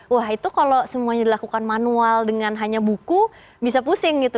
wah itu kalau semuanya dilakukan manual dengan hanya buku bisa pusing gitu